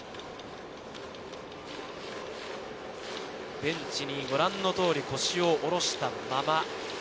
ベンチにご覧の通り腰を下ろしたまま。